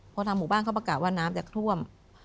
พอทางหมู่บ้านเขาประกาศว่าน้ำจะท่วม